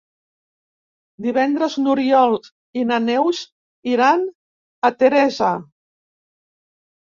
Divendres n'Oriol i na Neus iran a Teresa.